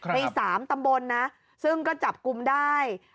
ใน๓ตำบลนะซึ่งก็จับกลุ่มได้